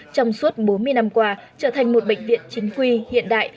trong suốt bốn mươi năm qua trở thành một bệnh viện chính quy hiện đại